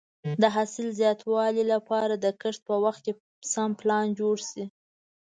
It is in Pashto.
د حاصل د زیاتوالي لپاره د کښت په وخت سم پلان جوړ شي.